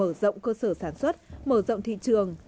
mở rộng cơ sở sản xuất mở rộng thị trường